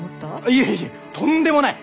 いえいえとんでもない！